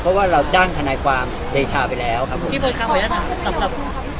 เพราะว่าเราจ้างทนายความใหญ่ชาวไปแล้วครับ